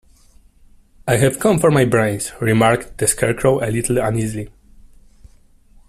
"I have come for my brains," remarked the Scarecrow, a little uneasily.